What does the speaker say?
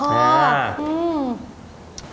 อื้อ